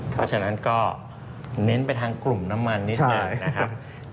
เพราะฉะนั้นก็เน้นไปทางกลุ่มน้ำมันนิดหน่อยนะครับ